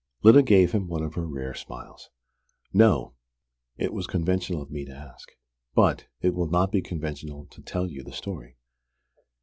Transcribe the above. Lyda gave him one of her rare smiles. "No. It was conventional of me to ask. But it will not be conventional to tell you the story.